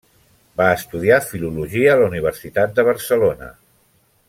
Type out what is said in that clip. Va estudiar filologia a la Universitat de Barcelona.